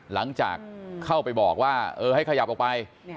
หลังจากเข้าไปบอกว่าเออให้ขยับออกไป